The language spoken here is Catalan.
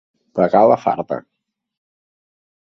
Pagar la farda.